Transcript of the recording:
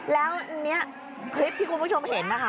แล้วเนี่ยคลิปที่คุณผู้ชมเห็นนะคะ